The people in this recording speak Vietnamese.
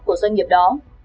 của doanh nghiệp đó